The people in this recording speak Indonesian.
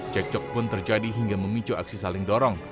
cekcok pun terjadi hingga memicu aksi saling dorong